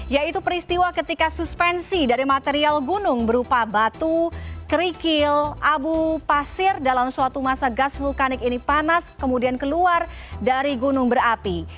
yaitu peristiwa ketika suspensi dari material gunung berupa batu kerikil abu pasir dalam suatu masa gas vulkanik ini panas kemudian keluar dari gunung berapi